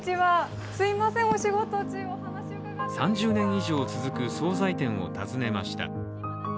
３０年以上続く総菜店を訪ねました。